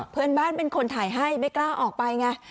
เพื่อนบ้านเป็นคนถ่ายให้ไม่กล้าออกไปไง